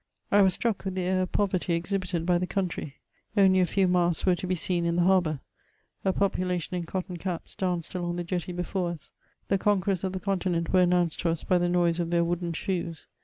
I was struck with the air of poverty exhibited by the country ; only a few masts were to be seen in the harbour ; a population in cotton caps danced along the jetty before us ; the conquerors of the continent were announced to us by the noise of their wooden shoes.